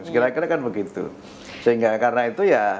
kira kira kan begitu sehingga karena itu ya